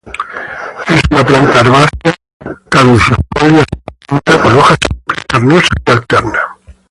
Es una planta herbácea caducifolia suculenta con hojas simples, carnosas y alternas.